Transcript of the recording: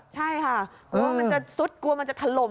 ใช่ค่ะกลัวมันจะซุดกลัวมันจะถล่ม